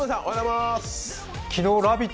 昨日、「ラヴィット！」